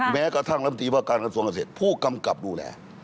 แม้กระทั่งลำตีว่าการกระทรวงเกษตรผู้กำกับดูแล